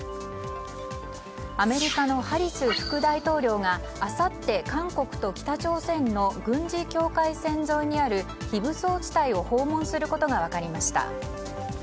アメリカのハリス副大統領があさって韓国と北朝鮮の軍事境界線沿いにある非武装地帯を訪問することが分かりました。